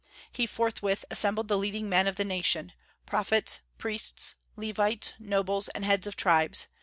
He forthwith assembled the leading men of the nation, prophets, priests, Levites, nobles, and heads of tribes.